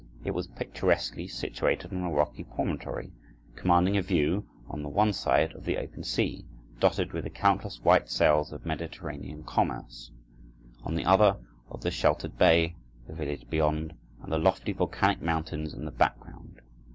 It was picturesquely situated on a rocky promontory, commanding a view, on the one side, of the open sea, dotted with the countless white sails of Mediterranean commerce; on the other, of the sheltered bay, the village beyond, and the lofty volcanic mountains in the background.